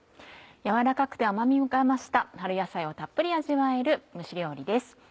柔らかくて甘味が増した春野菜をたっぷり味わえる蒸し料理です。